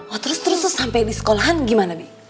oh terus terus tuh sampai di sekolahan gimana bi